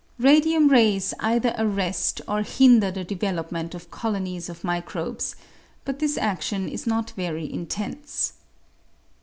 Radium rays either arrest or hinder the development of colonies of microbes, but this adion is not very intense.